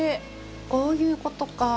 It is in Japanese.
こういうことか。